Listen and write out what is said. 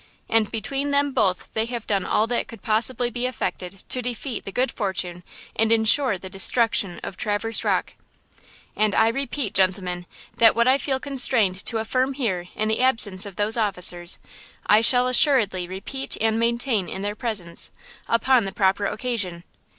And between them both they have done all that could possibly be effected to defeat the good fortune and insure the destruction of Traverse Rocke. And I repeat, gentlemen, that what I feel constrained to affirm here in the absence of those officers, I shall assuredly repeat and maintain in their presence, upon the proper occasion.